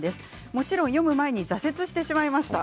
もちろん読む前に挫折してしまいました。